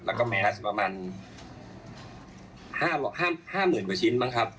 แล้วก็แมสประมาณ๕๐๐๐กว่าชิ้นบ้างครับ